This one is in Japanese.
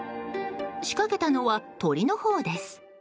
仕掛けたのは鳥のほうです。